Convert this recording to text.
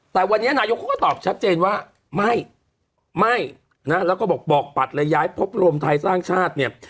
แต่วันนี้นายกเขาก็ตอบชัดเจนว่าไม่ไม่นะแล้วก็บอกปัดเลยย้ายพบรวมไทยสร้างชาติเนี่ย